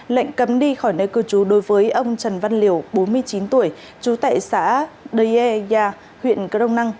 lệnh cấm đi khỏi nơi cư trú đối với ông trần văn liều bốn mươi chín tuổi trú tại xã đê yê gia huyện cơ đông năng